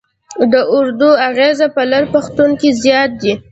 د اردو اغېز په لر پښتون کې زیات دی.